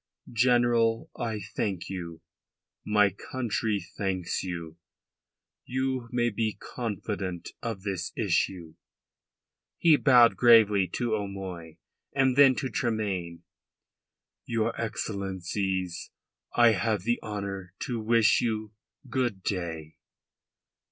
"General, I thank you. My country thanks you. You may be confident of this issue." He bowed gravely to O'Moy and then to Tremayne. "Your Excellencies, I have the honour to wish you good day."